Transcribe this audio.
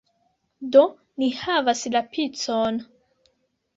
Do, ni havas la picon!